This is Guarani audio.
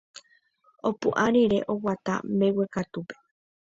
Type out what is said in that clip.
Opu'ã rire oguata mbeguekatúpe.